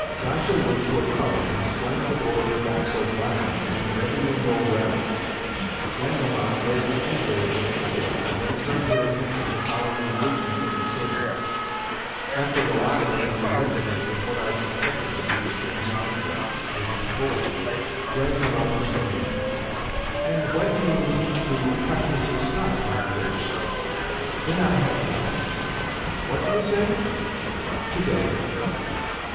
Gasha went to a cupboard and slammed the door of it back so violently that every window rattled. Grandmamma glared angrily at each of us, and then turned her attention to following the movements of the servant. After the latter had presented her with what I suspected to be the same handkerchief as before, Grandmamma continued: "And when do you mean to cut me some snuff, my dear?" "When I have time." "What do you say?" "To day."